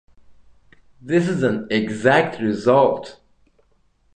This is an exact result.